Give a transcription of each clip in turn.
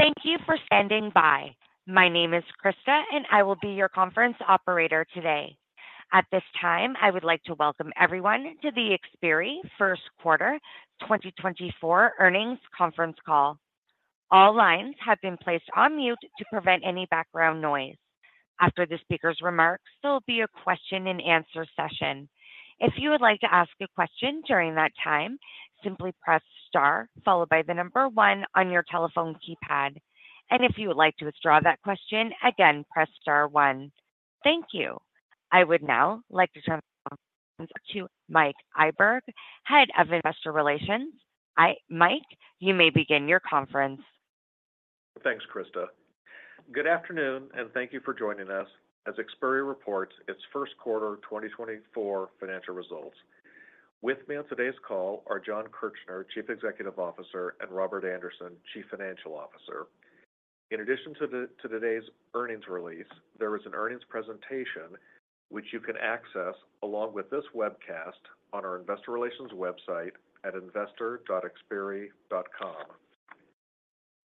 Thank you for standing by. My name is Krista, and I will be your conference operator today. At this time, I would like to welcome everyone to the Xperi first quarter 2024 earnings conference call. All lines have been placed on mute to prevent any background noise. After the speaker's remarks, there will be a question-and-answer session. If you would like to ask a question during that time, simply press * followed by the number one on your telephone keypad. And if you would like to withdraw that question, again, press star one. Thank you. I would now like to turn the conference over to Mike Iberg, Head of Investor Relations. Mike, you may begin your conference. Thanks, Krista. Good afternoon, and thank you for joining us as Xperi reports its First Quarter 2024 financial results. With me on today's call are Jon Kirchner, Chief Executive Officer, and Robert Andersen, Chief Financial Officer. In addition to today's earnings release, there is an earnings presentation which you can access along with this webcast on our investor relations website at investor.xperi.com.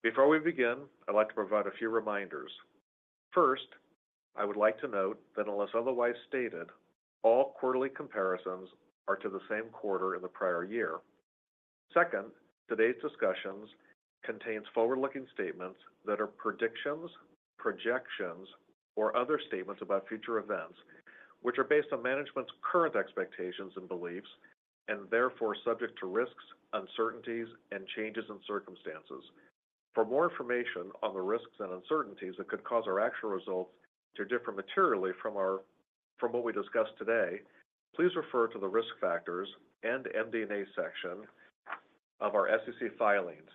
Before we begin, I'd like to provide a few reminders. First, I would like to note that unless otherwise stated, all quarterly comparisons are to the same quarter in the prior year. Second, today's discussions contains forward-looking statements that are predictions, projections, or other statements about future events, which are based on management's current expectations and beliefs and therefore subject to risks, uncertainties, and changes in circumstances. For more information on the risks and uncertainties that could cause our actual results to differ materially from what we discussed today, please refer to the risk factors and MD&A section of our SEC filings,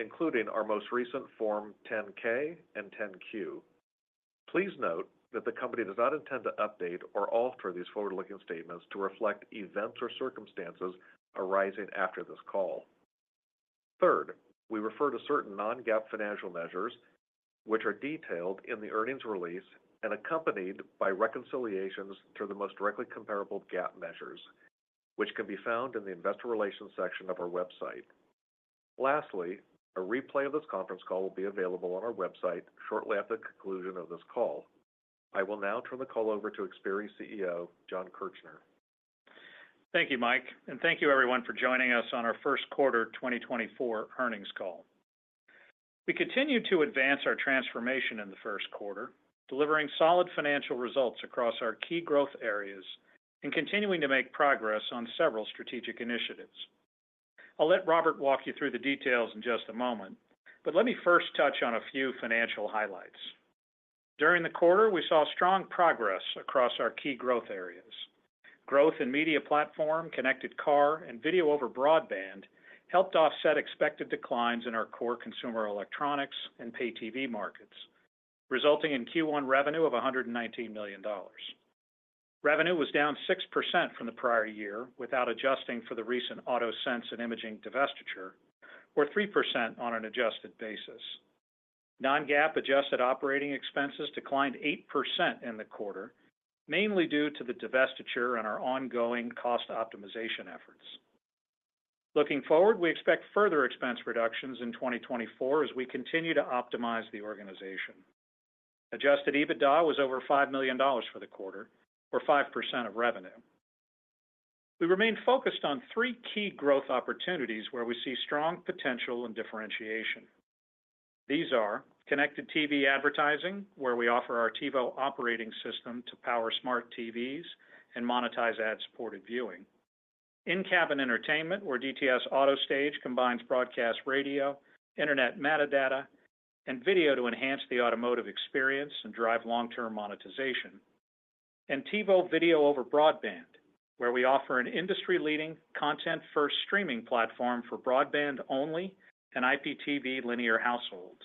including our most recent Form 10-K and 10-Q. Please note that the company does not intend to update or alter these forward-looking statements to reflect events or circumstances arising after this call. Third, we refer to certain non-GAAP financial measures which are detailed in the earnings release and accompanied by reconciliations to the most directly comparable GAAP measures, which can be found in the investor relations section of our website. Lastly, a replay of this conference call will be available on our website shortly after the conclusion of this call. I will now turn the call over to Xperi CEO Jon Kirchner. Thank you, Mike, and thank you everyone for joining us on our first quarter 2024 earnings call. We continue to advance our transformation in the first quarter, delivering solid financial results across our key growth areas and continuing to make progress on several strategic initiatives. I'll let Robert walk you through the details in just a moment, but let me first touch on a few financial highlights. During the quarter, we saw strong progress across our key growth areas. Growth in media platform, connected car, and video over broadband helped offset expected declines in our core consumer electronics and Pay-TV markets, resulting in Q1 revenue of $119 million. Revenue was down 6% from the prior year without adjusting for the recent AutoSense and Imaging divestiture, or 3% on an adjusted basis. Non-GAAP adjusted operating expenses declined 8% in the quarter, mainly due to the divestiture and our ongoing cost optimization efforts. Looking forward, we expect further expense reductions in 2024 as we continue to optimize the organization. Adjusted EBITDA was over $5 million for the quarter, or 5% of revenue. We remain focused on three key growth opportunities where we see strong potential in differentiation. These are connected TV advertising, where we offer our TiVo operating system to power smart TVs and monetize ad-supported viewing. In-cabin entertainment, where DTS AutoStage combines broadcast radio, internet metadata, and video to enhance the automotive experience and drive long-term monetization. And TiVo video over broadband, where we offer an industry-leading content-first streaming platform for broadband-only and IPTV linear households.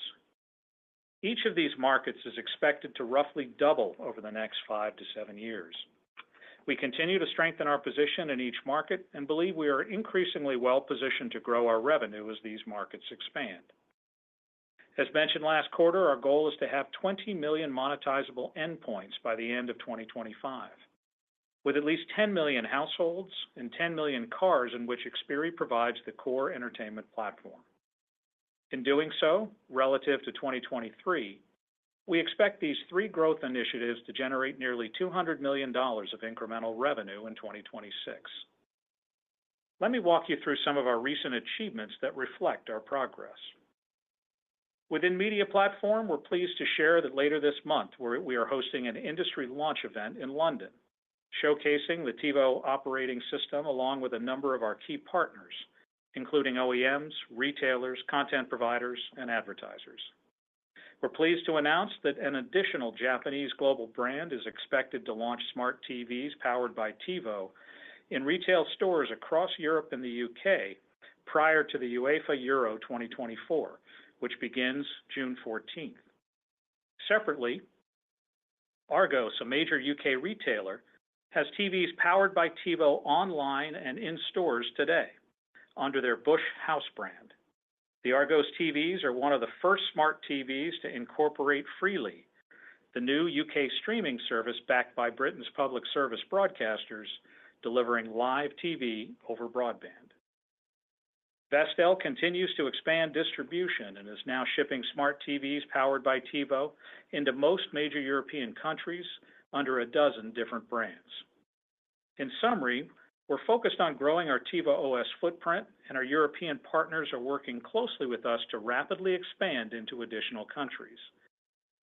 Each of these markets is expected to roughly double over the next 5-7 years. We continue to strengthen our position in each market and believe we are increasingly well-positioned to grow our revenue as these markets expand. As mentioned last quarter, our goal is to have 20 million monetizable endpoints by the end of 2025, with at least 10 million households and 10 million cars in which Xperi provides the core entertainment platform. In doing so, relative to 2023, we expect these three growth initiatives to generate nearly $200 million of incremental revenue in 2026. Let me walk you through some of our recent achievements that reflect our progress. Within media platform, we're pleased to share that later this month we are hosting an industry launch event in London showcasing the TiVo operating system along with a number of our key partners, including OEMs, retailers, content providers, and advertisers. We're pleased to announce that an additional Japanese global brand is expected to launch smart TVs powered by TiVo in retail stores across Europe and the U.K. prior to the UEFA Euro 2024, which begins June 14th. Separately, Argos, a major U.K. retailer, has TVs powered by TiVo online and in stores today under their Bush brand. The Argos TVs are one of the first smart TVs to incorporate Freely, the new U.K. streaming service backed by Britain's public service broadcasters, delivering live TV over broadband. Vestel continues to expand distribution and is now shipping smart TVs powered by TiVo into most major European countries under a dozen different brands. In summary, we're focused on growing our TiVo OS footprint, and our European partners are working closely with us to rapidly expand into additional countries.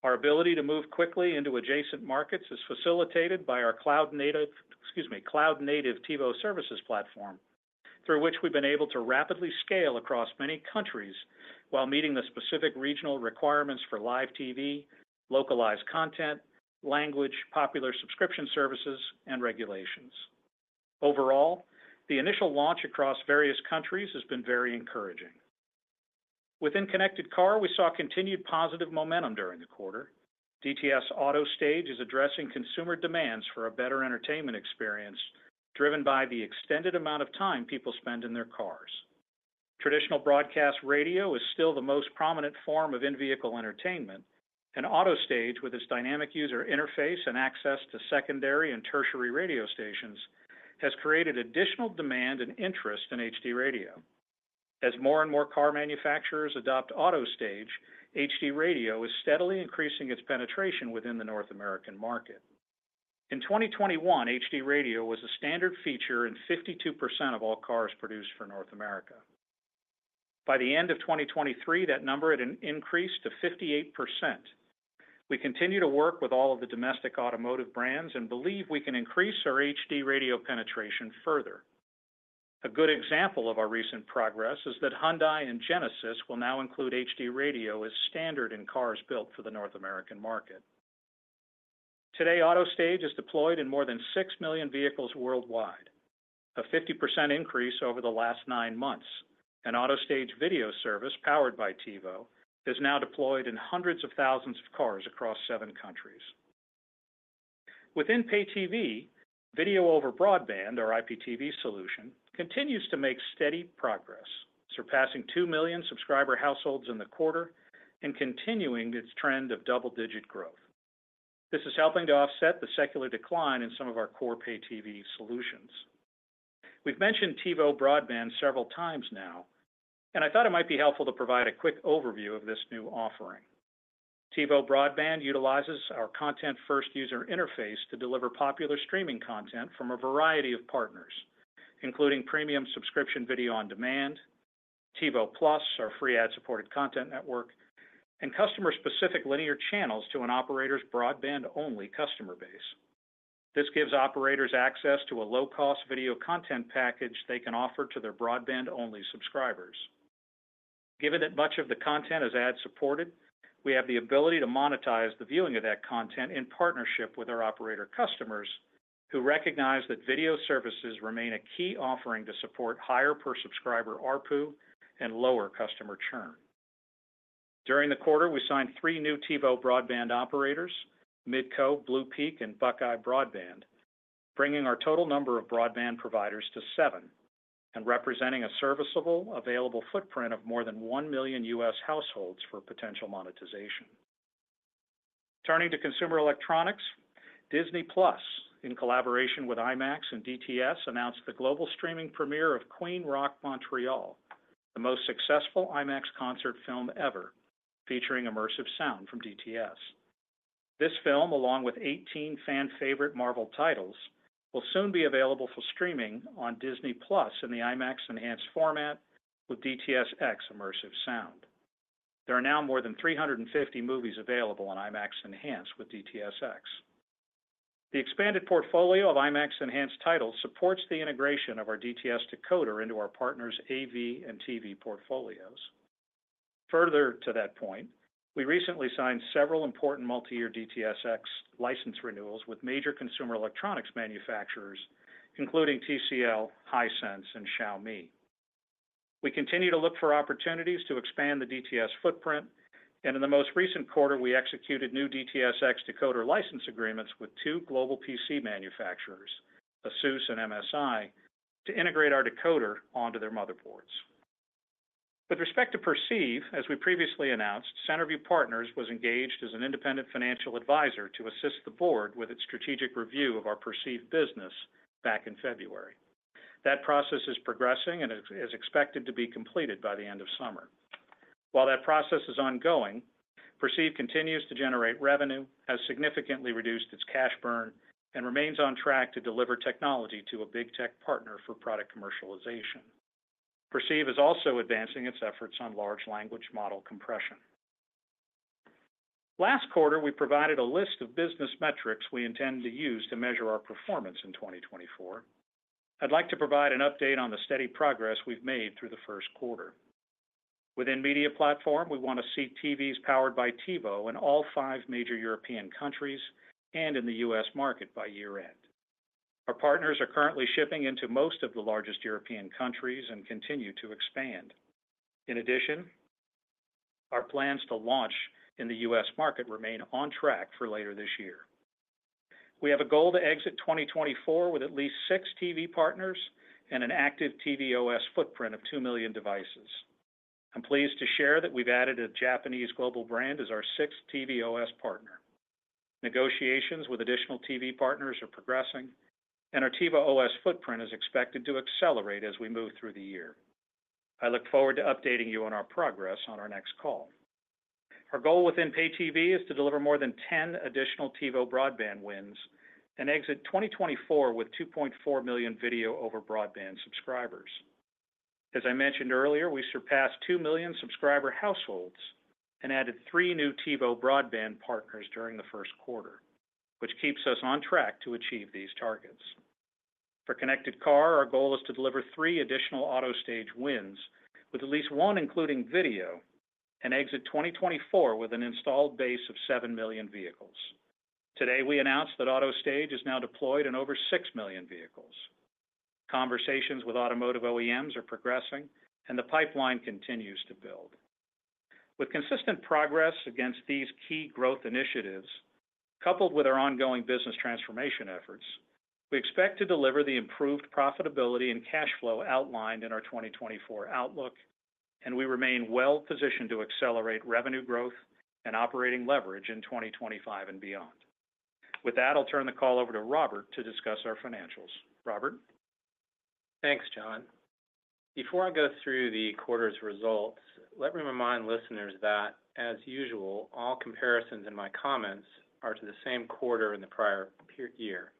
Our ability to move quickly into adjacent markets is facilitated by our cloud-native TiVo services platform, through which we've been able to rapidly scale across many countries while meeting the specific regional requirements for live TV, localized content, language, popular subscription services, and regulations. Overall, the initial launch across various countries has been very encouraging. Within connected car, we saw continued positive momentum during the quarter. DTS AutoStage is addressing consumer demands for a better entertainment experience driven by the extended amount of time people spend in their cars. Traditional broadcast radio is still the most prominent form of in-vehicle entertainment, and AutoStage, with its dynamic user interface and access to secondary and tertiary radio stations, has created additional demand and interest in HD Radio. As more and more car manufacturers adopt AutoStage, HD Radio is steadily increasing its penetration within the North American market. In 2021, HD Radio was a standard feature in 52% of all cars produced for North America. By the end of 2023, that number had increased to 58%. We continue to work with all of the domestic automotive brands and believe we can increase our HD Radio penetration further. A good example of our recent progress is that Hyundai and Genesis will now include HD Radio as standard in cars built for the North American market. Today, AutoStage is deployed in more than 6 million vehicles worldwide, a 50% increase over the last nine months, and AutoStage video service powered by TiVo is now deployed in hundreds of thousands of cars across seven countries. Within Pay-TV, video over broadband, our IPTV solution, continues to make steady progress, surpassing 2 million subscriber households in the quarter and continuing its trend of double-digit growth. This is helping to offset the secular decline in some of our core Pay-TV solutions. We've mentioned TiVo Broadband several times now, and I thought it might be helpful to provide a quick overview of this new offering. TiVo Broadband utilizes our content-first user interface to deliver popular streaming content from a variety of partners, including premium subscription video on demand, TiVo+, our free ad-supported content network, and customer-specific linear channels to an operator's broadband-only customer base. This gives operators access to a low-cost video content package they can offer to their broadband-only subscribers. Given that much of the content is ad-supported, we have the ability to monetize the viewing of that content in partnership with our operator customers, who recognize that video services remain a key offering to support higher per-subscriber ARPU and lower customer churn. During the quarter, we signed three new TiVo Broadband operators, Midco, Bluepeak, and Buckeye Broadband, bringing our total number of broadband providers to seven and representing a serviceable available footprint of more than 1 million U.S. households for potential monetization. Turning to consumer electronics, Disney+, in collaboration with IMAX and DTS, announced the global streaming premiere of Queen Rock Montreal, the most successful IMAX concert film ever featuring immersive sound from DTS. This film, along with 18 fan-favorite Marvel titles, will soon be available for streaming on Disney+ in the IMAX Enhanced format with DTS:X immersive sound. There are now more than 350 movies available on IMAX Enhanced with DTS:X. The expanded portfolio of IMAX Enhanced titles supports the integration of our DTS decoder into our partners' AV and TV portfolios. Further to that point, we recently signed several important multi-year DTS:X license renewals with major consumer electronics manufacturers, including TCL, Hisense, and Xiaomi. We continue to look for opportunities to expand the DTS footprint, and in the most recent quarter, we executed new DTS:X decoder license agreements with two global PC manufacturers, ASUS and MSI, to integrate our decoder onto their motherboards. With respect to Perceive, as we previously announced, Centerview Partners was engaged as an independent financial advisor to assist the board with its strategic review of our Perceive business back in February. That process is progressing and is expected to be completed by the end of summer. While that process is ongoing, Perceive continues to generate revenue, has significantly reduced its cash burn, and remains on track to deliver technology to a big tech partner for product commercialization. Perceive is also advancing its efforts on large language model compression. Last quarter, we provided a list of business metrics we intend to use to measure our performance in 2024. I'd like to provide an update on the steady progress we've made through the first quarter. Within media platform, we want to see TVs powered by TiVo in all five major European countries and in the U.S. market by year-end. Our partners are currently shipping into most of the largest European countries and continue to expand. In addition, our plans to launch in the U.S. market remain on track for later this year. We have a goal to exit 2024 with at least six TV partners and an active TV OS footprint of two million devices. I'm pleased to share that we've added a Japanese global brand as our sixth TV OS partner. Negotiations with additional TV partners are progressing, and our TiVo OS footprint is expected to accelerate as we move through the year. I look forward to updating you on our progress on our next call. Our goal within Pay-TV is to deliver more than 10 additional TiVo broadband wins and exit 2024 with 2.4 million video over broadband subscribers. As I mentioned earlier, we surpassed 2 million subscriber households and added three new TiVo broadband partners during the first quarter, which keeps us on track to achieve these targets. For connected car, our goal is to deliver three additional AutoStage wins with at least one including video and exit 2024 with an installed base of 7 million vehicles. Today, we announced that AutoStage is now deployed in over 6 million vehicles. Conversations with automotive OEMs are progressing, and the pipeline continues to build. With consistent progress against these key growth initiatives, coupled with our ongoing business transformation efforts, we expect to deliver the improved profitability and cash flow outlined in our 2024 outlook, and we remain well-positioned to accelerate revenue growth and operating leverage in 2025 and beyond. With that, I'll turn the call over to Robert to discuss our financials. Robert? Thanks, Jon. Before I go through the quarter's results, let me remind listeners that, as usual, all comparisons in my comments are to the same quarter in the prior year.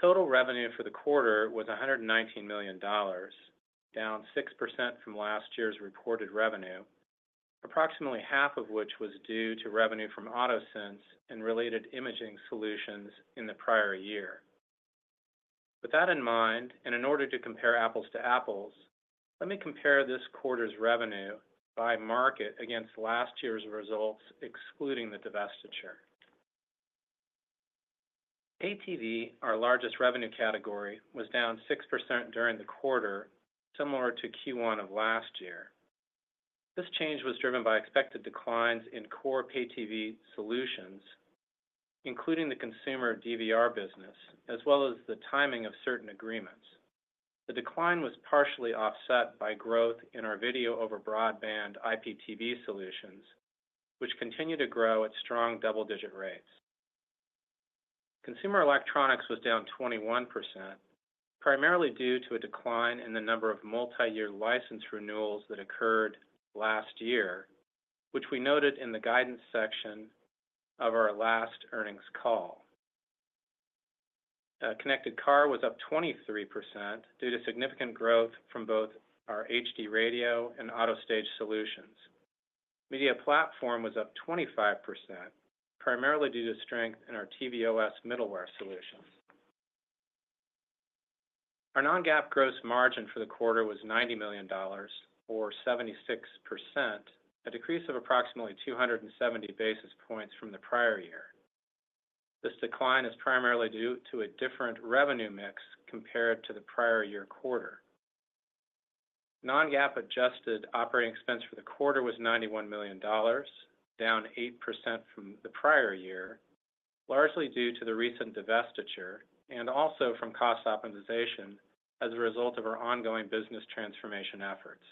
Total revenue for the quarter was $119 million, down 6% from last year's reported revenue, approximately half of which was due to revenue from AutoSense and related imaging solutions in the prior year. With that in mind, and in order to compare apples to apples, let me compare this quarter's revenue by market against last year's results excluding the divestiture. Pay-TV, our largest revenue category, was down 6% during the quarter, similar to Q1 of last year. This change was driven by expected declines in core Pay-TV solutions, including the consumer DVR business, as well as the timing of certain agreements. The decline was partially offset by growth in our video over broadband IPTV solutions, which continue to grow at strong double-digit rates. Consumer electronics was down 21%, primarily due to a decline in the number of multi-year license renewals that occurred last year, which we noted in the guidance section of our last earnings call. Connected car was up 23% due to significant growth from both our HD Radio and AutoStage solutions. Media platform was up 25%, primarily due to strength in our TV OS middleware solutions. Our non-GAAP gross margin for the quarter was $90 million, or 76%, a decrease of approximately 270 basis points from the prior year. This decline is primarily due to a different revenue mix compared to the prior year quarter. Non-GAAP adjusted operating expense for the quarter was $91 million, down 8% from the prior year, largely due to the recent divestiture and also from cost optimization as a result of our ongoing business transformation efforts.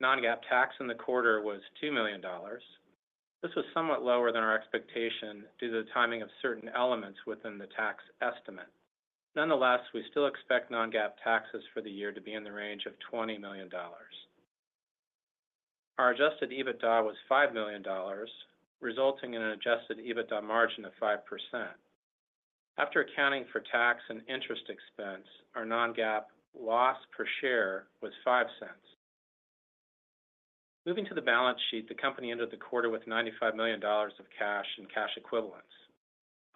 Non-GAAP tax in the quarter was $2 million. This was somewhat lower than our expectation due to the timing of certain elements within the tax estimate. Nonetheless, we still expect non-GAAP taxes for the year to be in the range of $20 million. Our adjusted EBITDA was $5 million, resulting in an adjusted EBITDA margin of 5%. After accounting for tax and interest expense, our non-GAAP loss per share was $0.05. Moving to the balance sheet, the company ended the quarter with $95 million of cash and cash equivalents.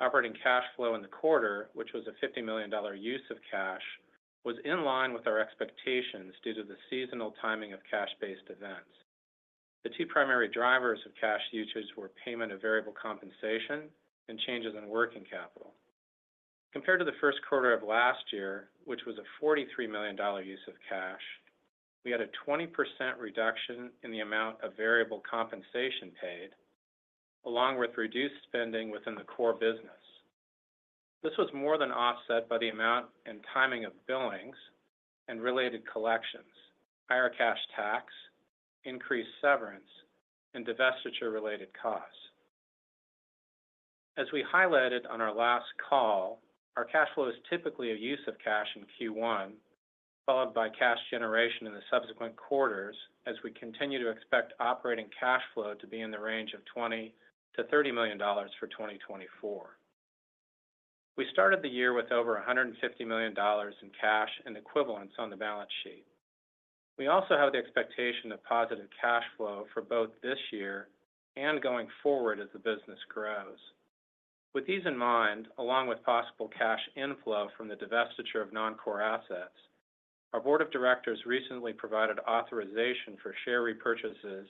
Operating cash flow in the quarter, which was a $50 million use of cash, was in line with our expectations due to the seasonal timing of cash-based events. The two primary drivers of cash usage were payment of variable compensation and changes in working capital. Compared to the first quarter of last year, which was a $43 million use of cash, we had a 20% reduction in the amount of variable compensation paid, along with reduced spending within the core business. This was more than offset by the amount and timing of billings and related collections, higher cash tax, increased severance, and divestiture-related costs. As we highlighted on our last call, our cash flow is typically a use of cash in Q1, followed by cash generation in the subsequent quarters, as we continue to expect operating cash flow to be in the range of $20 million-$30 million for 2024. We started the year with over $150 million in cash and equivalents on the balance sheet. We also have the expectation of positive cash flow for both this year and going forward as the business grows. With these in mind, along with possible cash inflow from the divestiture of non-core assets, our board of directors recently provided authorization for share repurchases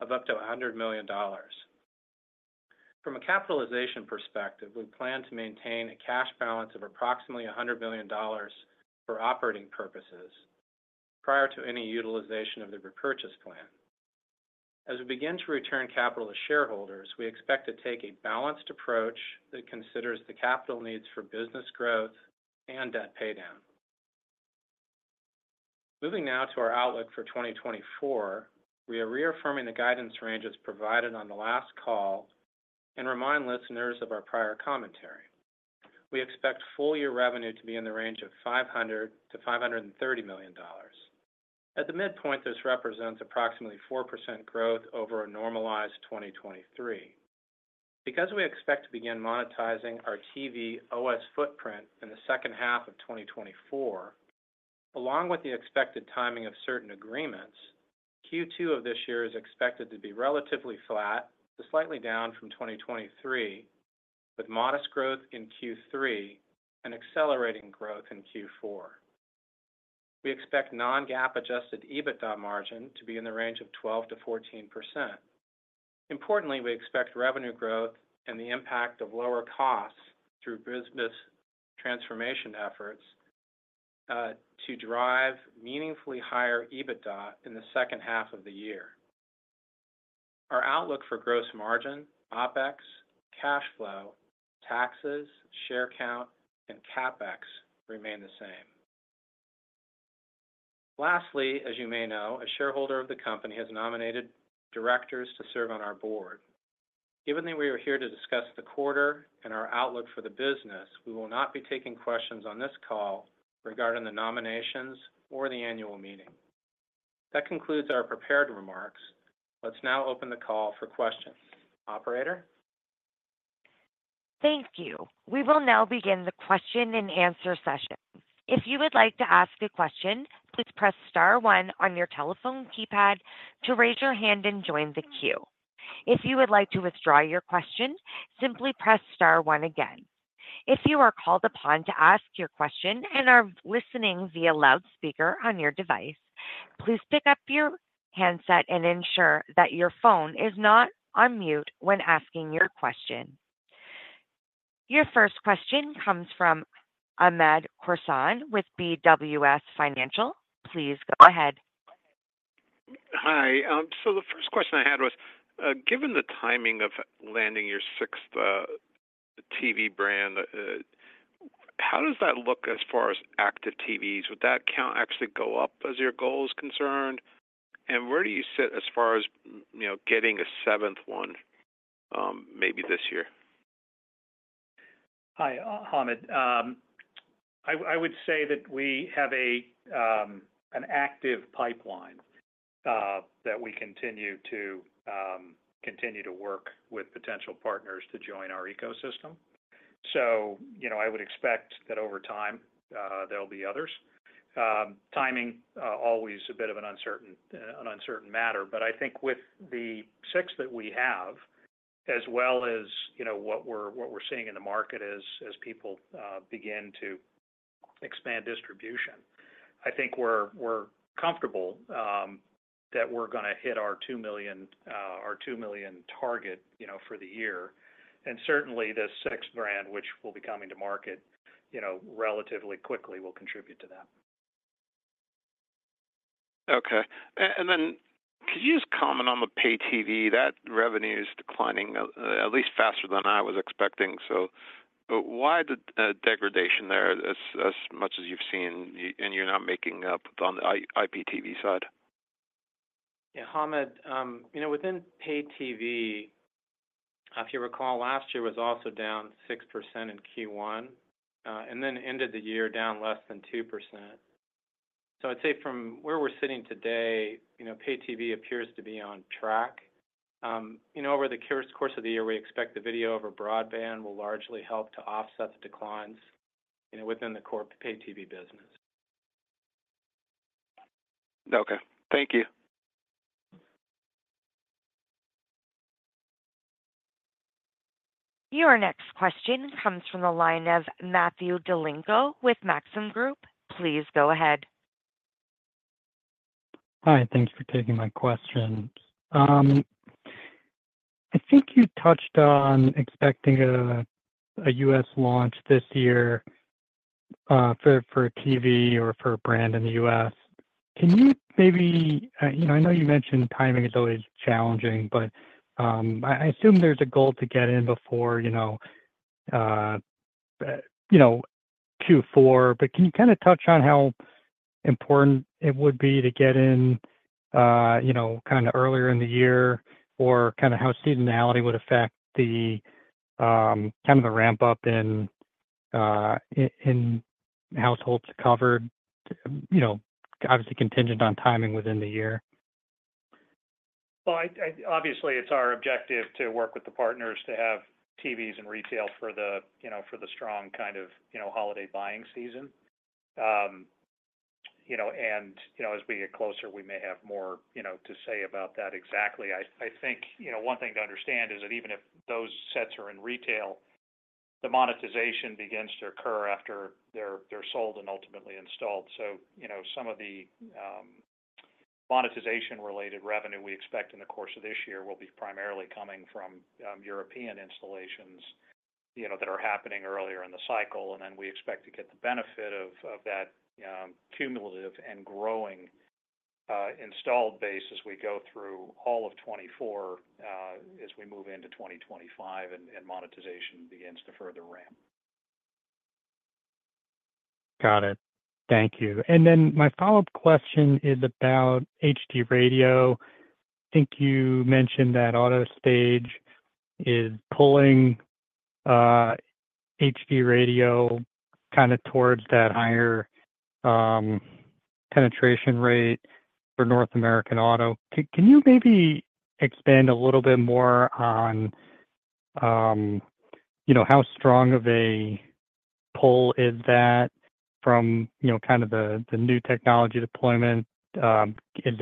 of up to $100 million. From a capitalization perspective, we plan to maintain a cash balance of approximately $100 million for operating purposes prior to any utilization of the repurchase plan. As we begin to return capital to shareholders, we expect to take a balanced approach that considers the capital needs for business growth and debt paydown. Moving now to our outlook for 2024, we are reaffirming the guidance ranges provided on the last call and remind listeners of our prior commentary. We expect full-year revenue to be in the range of $500 million-$530 million. At the midpoint, this represents approximately 4% growth over a normalized 2023. Because we expect to begin monetizing our TV OS footprint in the second half of 2024, along with the expected timing of certain agreements, Q2 of this year is expected to be relatively flat to slightly down from 2023, with modest growth in Q3 and accelerating growth in Q4. We expect non-GAAP adjusted EBITDA margin to be in the range of 12%-14%. Importantly, we expect revenue growth and the impact of lower costs through business transformation efforts to drive meaningfully higher EBITDA in the second half of the year. Our outlook for gross margin, OpEx, cash flow, taxes, share count, and CapEx remain the same. Lastly, as you may know, a shareholder of the company has nominated directors to serve on our board. Given that we are here to discuss the quarter and our outlook for the business, we will not be taking questions on this call regarding the nominations or the annual meeting. That concludes our prepared remarks. Let's now open the call for questions. Operator? Thank you. We will now begin the question-and-answer session. If you would like to ask a question, please press star one on your telephone keypad to raise your hand and join the queue. If you would like to withdraw your question, simply press star one again. If you are called upon to ask your question and are listening via loudspeaker on your device, please pick up your handset and ensure that your phone is not on mute when asking your question. Your first question comes from Hamed Khorsand with BWS Financial. Please go ahead. Hi. So the first question I had was, given the timing of landing your sixth TV brand, how does that look as far as active TVs? Would that count actually go up as your goal is concerned? And where do you sit as far as getting a seventh one maybe this year? Hi, Hamed. I would say that we have an active pipeline that we continue to work with potential partners to join our ecosystem. So I would expect that over time, there'll be others. Timing, always a bit of an uncertain matter. But I think with the sixth that we have, as well as what we're seeing in the market as people begin to expand distribution, I think we're comfortable that we're going to hit our 2 million target for the year. And certainly, this sixth brand, which will be coming to market relatively quickly, will contribute to that. Okay. And then could you just comment on the Pay-TV? That revenue is declining at least faster than I was expecting. So why the degradation there as much as you've seen, and you're not making up on the IPTV side? Yeah, Hamed. Within Pay-TV, if you recall, last year was also down 6% in Q1 and then ended the year down less than 2%. So I'd say from where we're sitting today, Pay-TV appears to be on track. Over the course of the year, we expect the video over broadband will largely help to offset the declines within the core Pay-TV business. Okay. Thank you. Your next question comes from the line of Matthew Galinko with Maxim Group. Please go ahead. Hi. Thanks for taking my questions. I think you touched on expecting a U.S. launch this year for a TV or for a brand in the U.S. Can you maybe, I know you mentioned timing is always challenging, but I assume there's a goal to get in before Q4. But can you kind of touch on how important it would be to get in kind of earlier in the year or kind of how seasonality would affect kind of the ramp-up in households covered, obviously contingent on timing within the year? Well, obviously, it's our objective to work with the partners to have TVs in retail for the strong kind of holiday buying season. As we get closer, we may have more to say about that exactly. I think one thing to understand is that even if those sets are in retail, the monetization begins to occur after they're sold and ultimately installed. So some of the monetization-related revenue we expect in the course of this year will be primarily coming from European installations that are happening earlier in the cycle. Then we expect to get the benefit of that cumulative and growing installed base as we go through all of 2024 as we move into 2025 and monetization begins to further ramp. Got it. Thank you. Then my follow-up question is about HD Radio. I think you mentioned that AutoStage is pulling HD Radio kind of towards that higher penetration rate for North American auto. Can you maybe expand a little bit more on how strong of a pull is that from kind of the new technology deployment? Is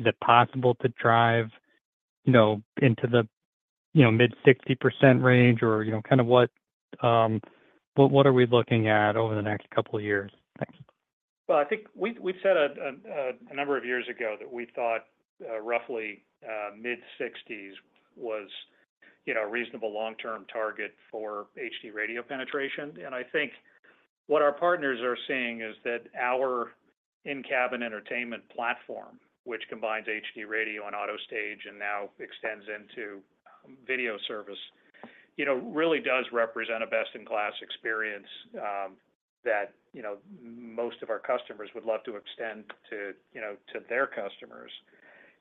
it possible to drive into the mid-60% range, or kind of what are we looking at over the next couple of years? Thanks. Well, I think we've said a number of years ago that we thought roughly mid-60s was a reasonable long-term target for HD Radio penetration. I think what our partners are seeing is that our in-cabin entertainment platform, which combines HD Radio and AutoStage and now extends into video service, really does represent a best-in-class experience that most of our customers would love to extend to their customers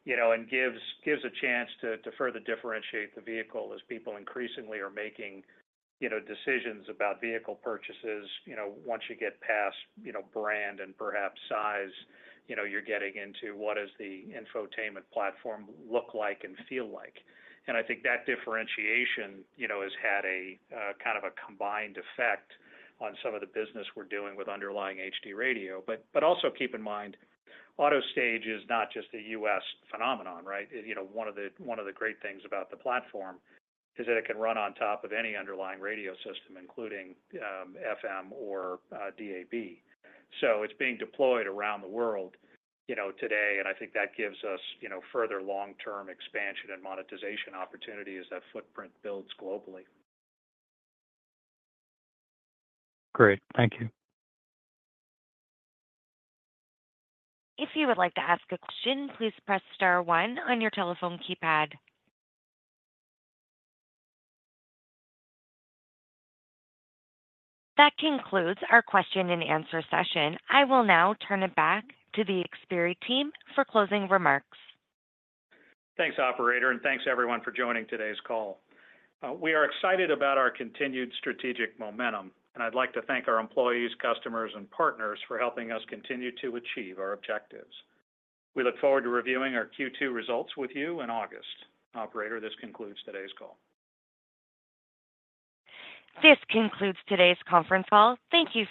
and gives a chance to further differentiate the vehicle as people increasingly are making decisions about vehicle purchases. Once you get past brand and perhaps size, you're getting into what does the infotainment platform look like and feel like. I think that differentiation has had kind of a combined effect on some of the business we're doing with underlying HD Radio. But also keep in mind, AutoStage is not just a U.S. phenomenon, right? One of the great things about the platform is that it can run on top of any underlying radio system, including FM or DAB. It's being deployed around the world today. I think that gives us further long-term expansion and monetization opportunities as that footprint builds globally. Great. Thank you. If you would like to ask a question, please press star one on your telephone keypad. That concludes our question-and-answer session. I will now turn it back to the Xperi team for closing remarks. Thanks, operator. Thanks, everyone, for joining today's call. We are excited about our continued strategic momentum. I'd like to thank our employees, customers, and partners for helping us continue to achieve our objectives. We look forward to reviewing our Q2 results with you in August. Operator, this concludes today's call. This concludes today's conference call. Thank you.